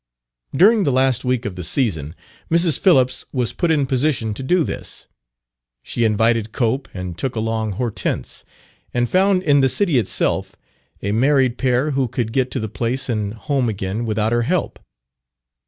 During the last week of the season, Mrs. Phillips was put in position to do this. She invited Cope, and took along Hortense, and found in the city itself a married pair who could get to the place and home again without her help.